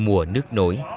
ở mùa nước nổi